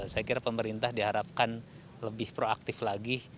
saya kira pemerintah diharapkan lebih proaktif lagi